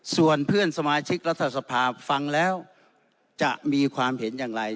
ส่วนเพื่อนสมาชิกรัฐสภาฟังแล้วจะมีความเห็นอย่างไร